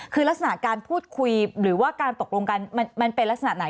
คือลักษณะการพูดคุยหรือว่าการตกลงกันมันเป็นลักษณะไหน